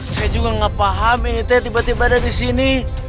saya juga nggak paham ini saya tiba tiba ada di sini